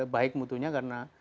baik mutunya karena